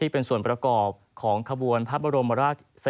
เป็นส่วนประกอบของสถานการณ์พระบรมราชอิตสะเรยะยศแล้ว